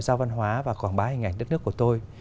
giao văn hóa và quảng bá hình ảnh đất nước của tôi